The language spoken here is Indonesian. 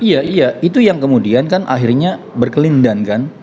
iya iya itu yang kemudian kan akhirnya berkelindan kan